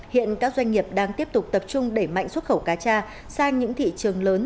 hiện các doanh nghiệp đang tiếp tục tập trung để mạnh xuất khẩu cà cha sang những thị trường lớn